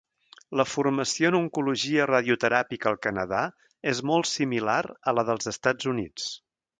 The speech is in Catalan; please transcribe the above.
La formació en oncologia radioteràpica al Canadà és molt similar a la dels Estats Units.